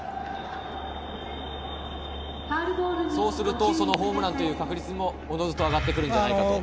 そうするとホームランの確率もおのずと上がってくるんじゃないかと。